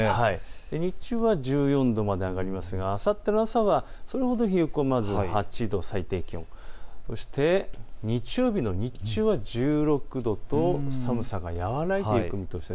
日中は１４度まで上がりますがあさって朝はそれほど冷え込まず８度、そして日曜日の日中は１６度と寒さは和らいでいく見通しです。